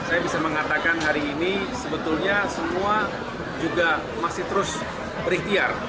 saya bisa mengatakan hari ini sebetulnya semua juga masih terus berikhtiar